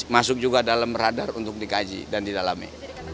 masuk juga dalam radar untuk dikaji dan didalami